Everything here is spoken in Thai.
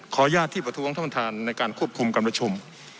ขอยาที่ประท้วงท่านประทานในการควบคุมกรรมราชม